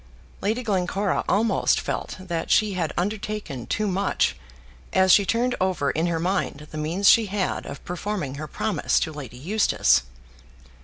Lady Glencora almost felt that she had undertaken too much as she turned over in her mind the means she had of performing her promise to Lady Eustace.